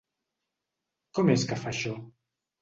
Com és que fa això?